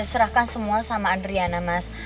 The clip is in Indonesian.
serahkan semua sama adriana mas